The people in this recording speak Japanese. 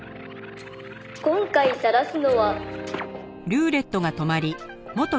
「今回さらすのは」